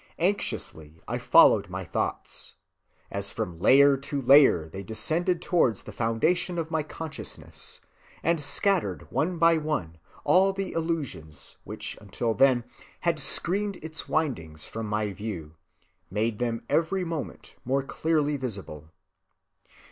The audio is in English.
Anxiously I followed my thoughts, as from layer to layer they descended towards the foundation of my consciousness, and, scattering one by one all the illusions which until then had screened its windings from my view, made them every moment more clearly visible.